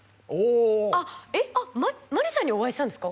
あっえっマリさんにお会いしたんですか？